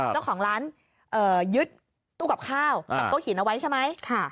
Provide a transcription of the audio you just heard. เจ้าของร้านยึดตู้กับข้าวกับโต๊ะหินเอาไว้ใช่ไหม